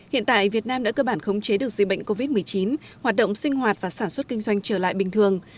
hiện tại việt nam đã cơ bản khống chế được dịch bệnh covid một mươi chín hoạt động sinh hoạt và sản xuất kinh doanh trở lại bình thường